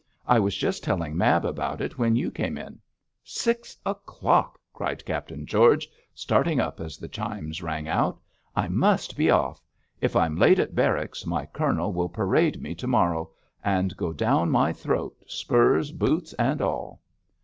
I was just telling Mab about it when you came in. Six o'clock!' cried Captain George, starting up as the chimes rang out. 'I must be off. If I'm late at barracks my colonel will parade me to morrow, and go down my throat, spurs, boots and all.'